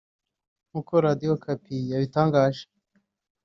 nk’uko Radio Okapi yabitangaje